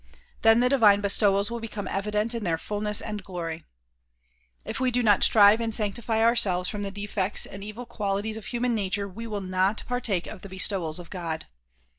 Then the divine bestowals will become evident in their fullness and glory. If we do not strive and sanctify ourselves from the defects and evil qualities of human nature we will not partake of the bestowals of God.